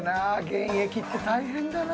現役って大変だな。